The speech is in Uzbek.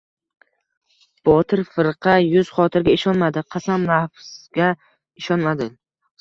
Botir firqa... yuz-xotirga ishonmadi, qasam-lafzga ishonmadi.